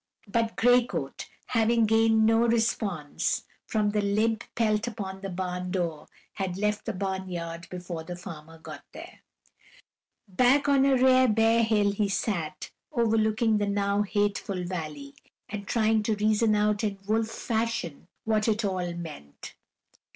But Gray Coat, having gained no response from the limp pelt upon the barn door, had left the barn yard before the farmer got there. Back on a great bare hill he sat, overlooking the now hateful valley, and trying to reason out in wolf fashion what it all meant.